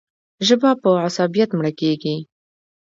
ژبه په عصبیت مړه کېږي.